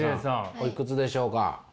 おいくつでしょうか？